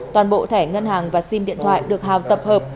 toàn bộ thẻ ngân hàng và sim điện thoại được hào tập hợp